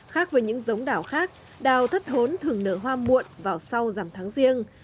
khác với những giống đảo khác đào thất thốn thường nở hoa muộn vào sau giảm tháng riêng